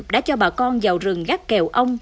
đã cho bà con vào rừng gác kèo ông